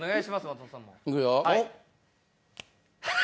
松本さんも。いくよ。